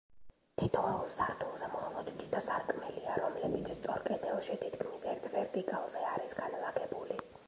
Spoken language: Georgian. თითოეულ სართულზე მხოლოდ თითო სარკმელია, რომლებიც სწორ კედელში, თითქმის ერთ ვერტიკალზე არის განლაგებული.